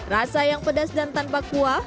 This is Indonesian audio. rasa yang pedas dan tanpa kuah